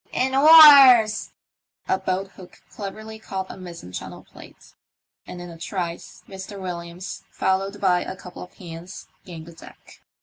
" In oars !" A boat hook cleverly caught a mizen channel plate, and in a trice Mr. "Williams, followed by a couple of hands, gained the deck.